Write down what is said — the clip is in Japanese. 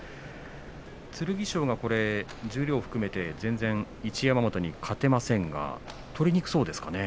剣翔が十両を含めて全然、一山本に勝てませんが取りにくそうですかね。